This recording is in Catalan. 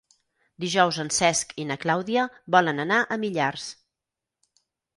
Dijous en Cesc i na Clàudia volen anar a Millars.